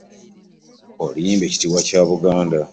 Oluyimba ekitiibwa kya Buganda.